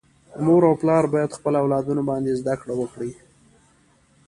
مور او پلار باید خپل اولادونه باندي زده کړي وکړي.